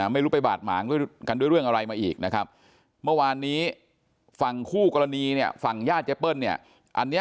เขามีเรื่องกับแม่แม่ของผู้กรณีที่มาทางร้านเนี่ย